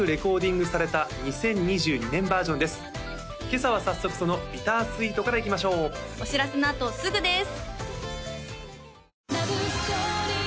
今朝は早速そのＢｉｔｔｅｒ＆Ｓｗｅｅｔからいきましょうお知らせのあとすぐです